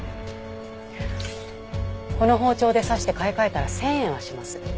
この包丁で刺して買い替えたら１０００円はします。